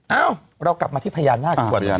เอ้าเรากลับมาที่พญานาคดีกว่า